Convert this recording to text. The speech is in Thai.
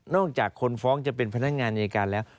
จากคนฟ้องจะเป็นพนักงานอายการแล้ว